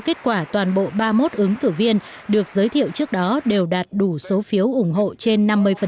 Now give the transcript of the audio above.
kết quả toàn bộ ba mươi một ứng cử viên được giới thiệu trước đó đều đạt đủ số phiếu ủng hộ trên năm mươi